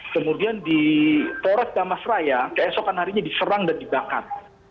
kemudian di torres damasraya keesokan harinya diserang dan dibangkat